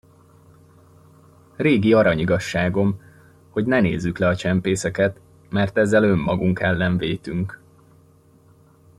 Régi aranyigazságom, hogy ne nézzük le a csempészeket, mert ezzel önmagunk ellen vétünk.